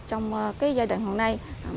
trong giai đoạn hôm nay